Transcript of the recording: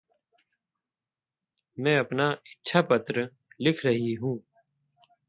मैं अपना इच्छापत्र लिख रही हूँ।